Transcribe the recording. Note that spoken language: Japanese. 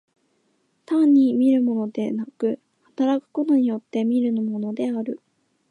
単に見るものでなく、働くことによって見るものである。